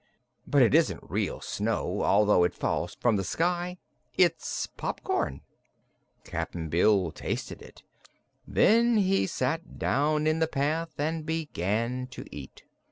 "But it isn't real snow, although it falls from the sky. It's popcorn." Cap'n Bill tasted it; then he sat down in the path and began to eat.